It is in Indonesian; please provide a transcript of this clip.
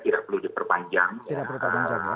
tidak perlu diperpanjang ya